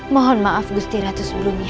mohon maaf gusti ratu sebelumnya